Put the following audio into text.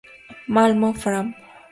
Malmö: Fram.